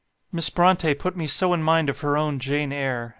"Miss Brontë put me so in mind of her own 'Jane Eyre.'